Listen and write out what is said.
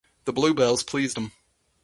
The bluebells pleased him.